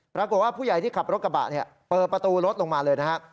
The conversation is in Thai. ปรากฏว่าผู้ใหญ่ที่ขับรถกระบะเปิดประตูรถลงมาเลยนะฮะ